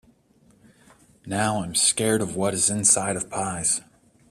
Now, I’m scared of what is inside of pies.